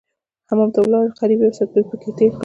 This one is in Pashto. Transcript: حمام ته ولاړم قريب يو ساعت مې پکښې تېر کړ.